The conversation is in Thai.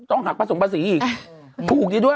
ต้องหักผสมภาษีอีกถูกดีด้วย